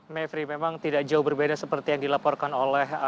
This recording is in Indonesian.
mevri memang tidak jauh berbeda seperti yang dilaporkan oleh